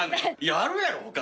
あるやろ他。